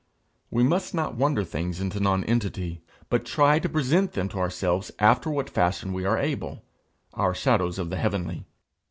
We must not wonder things away into nonentity, but try to present them to ourselves after what fashion we are able our shadows of the heavenly.